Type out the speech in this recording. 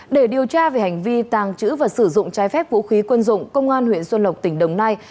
để điều tra về hành vi tàng trữ và sử dụng trái phép vũ khí quân dụng công an huyện xuân lộc tỉnh đồng nai